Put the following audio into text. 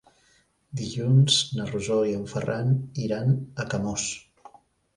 Dilluns na Rosó i en Ferran iran a Camós.